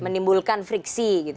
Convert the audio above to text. menimbulkan friksi gitu